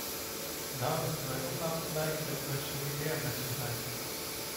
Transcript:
Daarom moeten wij ook laten blijken dat wij solidair met ze zijn.